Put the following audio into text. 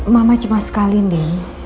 mama cemas sekali ndi